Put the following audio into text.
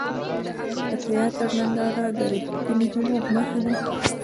د تیاتر ننداره د ریښتیني هنر نښه ده.